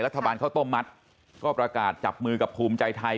ข้าวต้มมัดก็ประกาศจับมือกับภูมิใจไทย